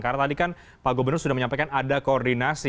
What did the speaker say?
karena tadi kan pak gubernur sudah menyampaikan ada koordinasi